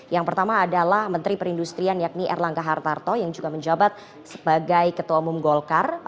yang pertama adalah menteri perindustrian yakni erlangga hartarto yang juga menjabat sebagai ketua umum golkar